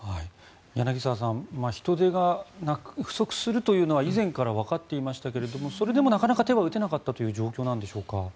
柳澤さん人手が不足するというのは以前からわかっていましたがそれでもなかなか手は打てなかったという状況なんでしょうか。